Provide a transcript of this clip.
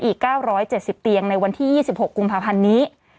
อีก๙๗๐เตียงในวันที่๒๖กุมภาพันธ์นี้